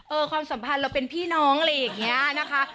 ความสัมพันธ์เราเป็นพี่น้องอะไรอย่างนี้นะคะ